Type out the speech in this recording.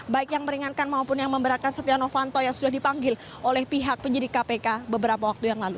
baik yang meringankan maupun yang memberatkan setia novanto yang sudah dipanggil oleh pihak penyidik kpk beberapa waktu yang lalu